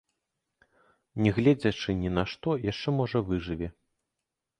Не гледзячы ні на што, яшчэ можа выжыве.